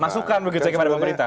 masukan menurut saya kepada pemerintah